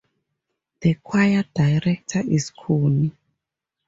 The choir director is Connie.